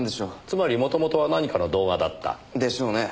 つまりもともとは何かの動画だった。でしょうね。